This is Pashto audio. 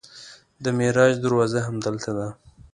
د معراج دروازه همدلته ده.